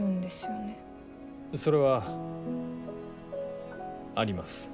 それはあります。